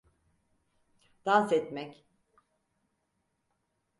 Dans etmek.